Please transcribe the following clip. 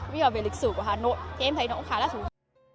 ví dụ về lịch sử của hà nội thì em thấy nó cũng khá là thú vị